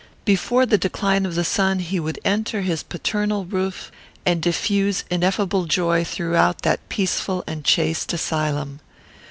Before the decline of the sun, he would enter his paternal roof, and diffuse ineffable joy throughout that peaceful and chaste asylum.